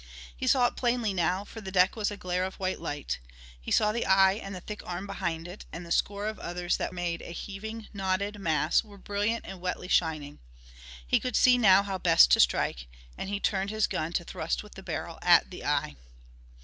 He saw it plainly now, for the deck was a glare of white light. He saw the eye and the thick arm behind it and the score of others that made a heaving, knotted mass were brilliant and wetly shining. He could see now how best to strike, and he turned his gun to thrust with the barrel at the eye.